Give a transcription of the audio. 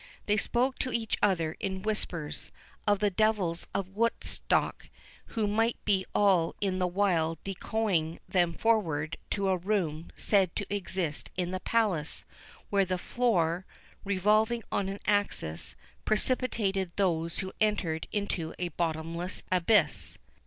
They spoke to each other in whispers, of the devils of Woodstock, who might be all the while decoying them forward to a room said to exist in the Palace, where the floor, revolving on an axis, precipitated those who entered into a bottomless abyss.